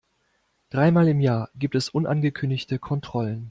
Dreimal im Jahr gibt es unangekündigte Kontrollen.